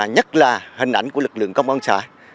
nhất là hình ảnh của lực lượng công an xã